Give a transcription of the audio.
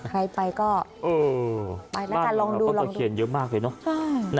ใครไปก็เออไปแล้วกันลองดูลองดูเยอะมากเลยเนอะใช่